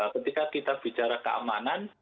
ketika kita bicara keamanan